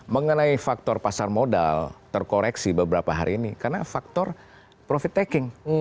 mengenai faktor pasar modal terkoreksi beberapa hari ini karena faktor profit taking